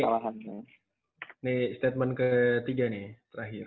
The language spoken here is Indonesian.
ini ini statement ke tiga nih terakhir